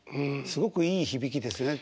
すごくいい響きですね。